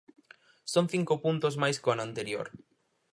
Son cinco puntos máis que o ano anterior.